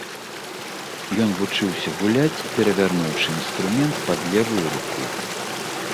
Ён вучыўся гуляць, перавярнуўшы інструмент пад левую руку.